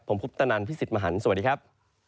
ผมพุทธนันทร์พี่สิทธิ์มหันธ์สวัสดีครับ